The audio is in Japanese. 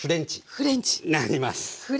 フレンチ！なります。